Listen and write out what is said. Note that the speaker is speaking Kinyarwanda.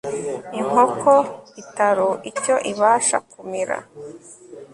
inkoko itaro icyo ibasha kumira